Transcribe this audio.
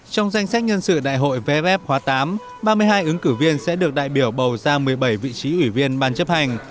trong danh sách nhân sự đại hội vff khóa tám ba mươi hai ứng cử viên sẽ được đại biểu bầu ra một mươi bảy vị trí ủy viên ban chấp hành